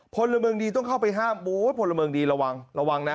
พลเมืองดีต้องเข้าไปห้ามโอ้ยพลเมืองดีระวังระวังนะ